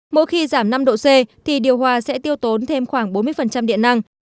mỗi khi giảm năm độ c thì điều hòa sẽ tiêu tốn thêm khoảng bốn mươi điện năng